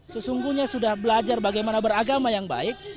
sesungguhnya sudah belajar bagaimana beragama yang baik